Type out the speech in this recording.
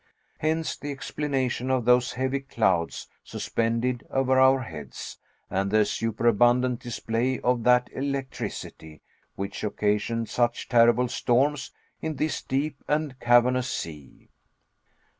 Hence the explanation of those heavy clouds suspended over our heads, and the superabundant display of that electricity which occasioned such terrible storms in this deep and cavernous sea.